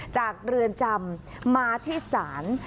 เรือนจำมาที่ศาล